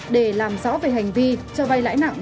để làm rõ về hành vi cho vay lãi nặng